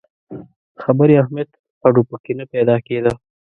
خبري اهمیت هډو په کې نه پیدا کېده.